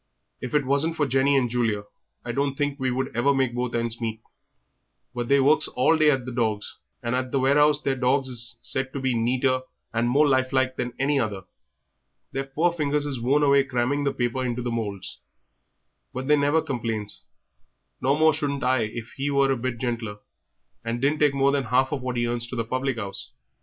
If it wasn't for Jenny and Julia I don't think we should ever make both ends meet; but they works all day at the dogs, and at the warehouse their dogs is said to be neater and more lifelike than any other. Their poor fingers is worn away cramming the paper into the moulds; but they never complains, no more shouldn't I if he was a bit gentler and didn't take more than half of what he earns to the public 'ouse.